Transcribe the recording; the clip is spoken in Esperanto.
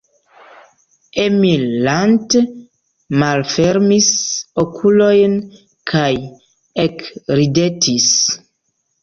Emil lante malfermis okulojn kaj ekridetis.